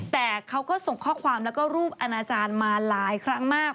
แต่เขาก็ส่งข้อความแล้วก็รูปอนาจารย์มาหลายครั้งมาก